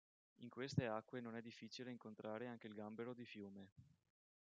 In queste acque non è difficile incontrare anche il gambero di fiume.